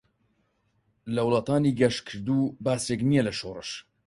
لە ولاتانی گەشکردو باسێك نییە لە شۆرش.